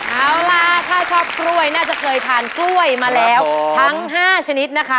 เอาล่ะถ้าชอบกล้วยน่าจะเคยทานกล้วยมาแล้วทั้ง๕ชนิดนะคะ